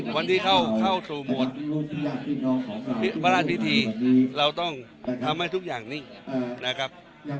วันที่เข้าสู่โหมดพระราชพิธีเราต้องทำให้ทุกอย่างนิ่งนะครับ